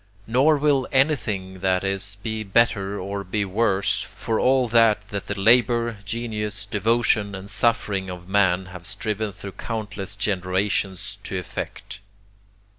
Nor will anything that is, be better or be worse for all that the labour, genius, devotion, and suffering of man have striven through countless generations to effect."